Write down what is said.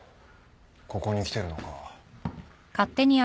ここに来てるのか。